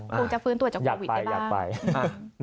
คงจะฟื้นตัวจากโควิดได้บ้าง